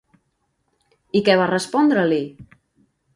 I què va respondre-li?